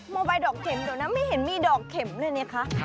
โมไบดอกเข็มครับไม่เห็นมีดอกเข็มเลยนี่คะ